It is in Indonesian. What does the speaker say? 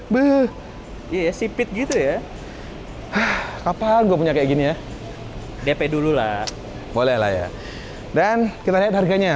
beh iya sipit gitu ya kapal gue punya kayak gini ya dp dulu lah bolehlah ya dan kita lihat harganya